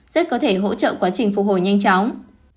rất có thể hỗ trợ quá trình phục hồi nhanh chóng